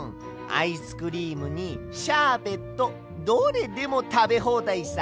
アイスクリームにシャーベットどれでもたべほうだいさ。